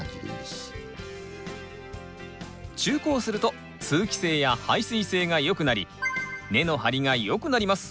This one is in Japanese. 中耕すると通気性や排水性がよくなり根の張りがよくなります。